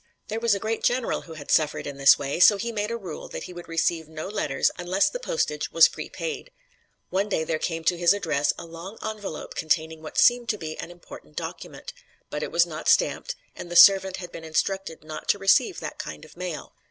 There was a great general who had suffered in this way, so he made a rule that he would receive no letters unless the postage was prepaid. One day there came to his address a long envelope containing what seemed to be an important document. But it was not stamped, and the servant had been instructed not to receive that kind of mail.